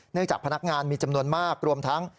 จากพนักงานมีจำนวนมากรวมทั้ง